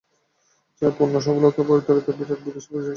চাই পূর্ণ সরলতা, পবিত্রতা, বিরাট বুদ্ধি এবং সর্বজয়ী ইচ্ছাশক্তি।